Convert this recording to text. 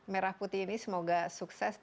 merah putih ini semoga sukses